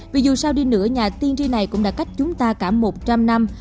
vì dù sao đi nữa nhà tiên tri này cũng đã cách chúng ta cả một trăm linh năm